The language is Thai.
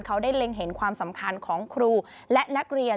เขาได้เล็งเห็นความสำคัญของครูและนักเรียน